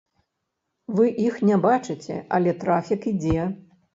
Вы іх не бачыце, але трафік ідзе.